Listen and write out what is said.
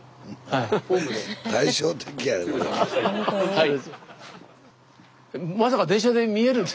はい。